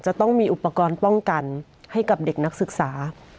จะต้องมีอุปกรณ์ป้องกันให้กับเด็กนักศึกษา